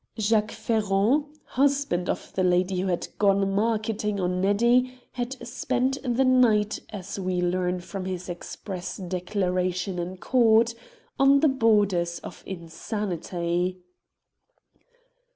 Jacques Ferron, husband of the lady who had gone a marketing on Neddy, had spent the night, as we learn from his express declaration in Court, on the borders of insanity.